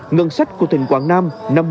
ngân sách của tỉnh quảng nam